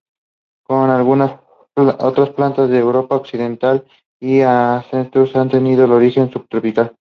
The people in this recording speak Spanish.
Como algunas otras plantas de Europa occidental, sus ancestros han tenido un origen subtropical.